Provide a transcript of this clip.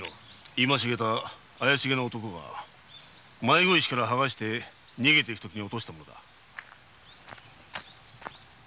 今しがた怪しげな男が迷子石から剥がして逃げていくときに落としたものだ。